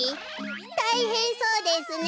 たいへんそうですね。